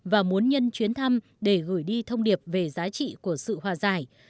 và muốn nhân chuyến thăm để gửi đi thông điệp về giá trị của sự hòa giải